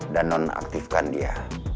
dan nonaktifkan dia